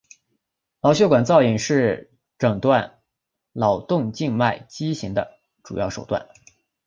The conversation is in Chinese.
脑血管造影是诊断脑动静脉畸形的重要手段。